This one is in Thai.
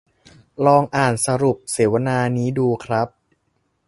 ลองอ่านสรุปเสวนานี้ดูครับ